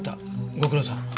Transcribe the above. ご苦労さん。